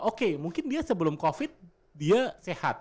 oke mungkin dia sebelum covid dia sehat